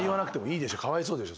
かわいそうでしょ。